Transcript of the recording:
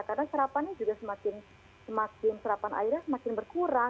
karena serapan airnya semakin berkurang